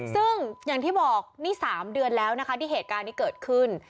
ซึ่งอย่างที่บอกนี่๓เดือนแล้วนะคะที่เหตุการณ์นี้เกิดขึ้น